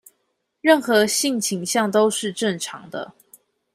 任何性傾向都是正常的